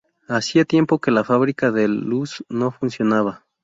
Hacía tiempo que la fábrica de luz no funcionaba.